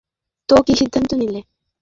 তো, কী সিদ্ধান্ত নিলে?